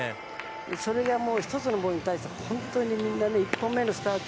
それが、１つのボールに対して本当にみんな１本目のスタート